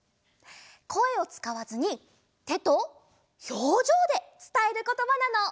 こえをつかわずにてとひょうじょうでつたえることばなの。